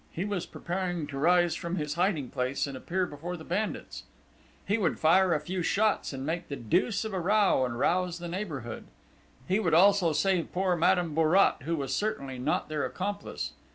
He was preparing to rise from his hiding place and appear before the bandits: he would fire a few shots and make the deuce of a row and rouse the neighbourhood. He would also save poor Madame Bourrat, who was certainly not their accomplice.